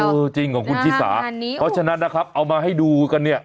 จริงของคุณชิสาเพราะฉะนั้นนะครับเอามาให้ดูกันเนี่ย